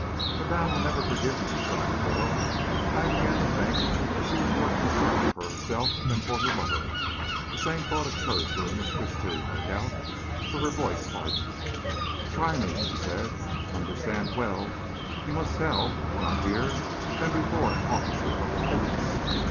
"Madame will never forgive me!" sobbed the girl, and I began to think that she was more concerned for herself than for her lover. The same thought occurred to her mistress too, no doubt, for her voice hardened. "Try me," she said. "Understand well, you must tell if not here, then before an officer of the police."